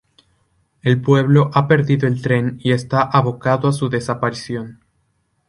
El pueblo ha perdido el tren y está abocado a su desaparición.